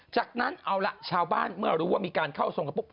จากนั้นเอาล่ะชาวบ้านเมื่อรู้ว่ามีการเข้าทรงกันปุ๊